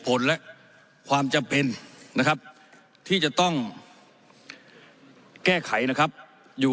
ผลและความจำเป็นนะครับที่จะต้องแก้ไขนะครับอยู่